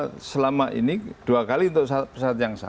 kita selama ini dua kali untuk pesawat yang sama